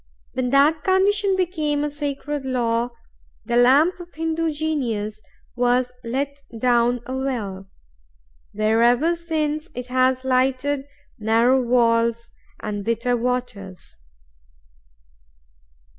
When that condition became a sacred law, the lamp of Hindoo genius was let down a well, where ever since it has lighted narrow walls and bitter waters.